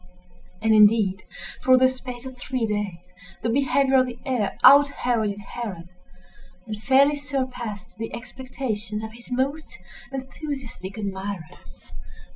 And, indeed, for the space of three days, the behavior of the heir out Heroded Herod, and fairly surpassed the expectations of his most enthusiastic admirers.